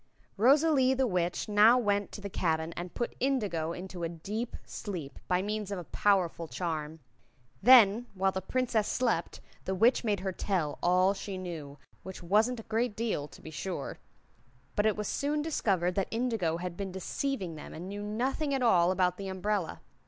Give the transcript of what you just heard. Rosalie the Witch now went to the cabin and put Indigo into a deep sleep, by means of a powerful charm. Then, while the Princess slept, the Witch made her tell all she knew, which wasn't a great deal, to be sure; but it was soon discovered that Indigo had been deceiving them and knew nothing at all about the umbrella.